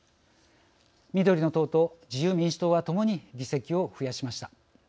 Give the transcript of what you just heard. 緑の党と自由民主党はともに議席を増やしました。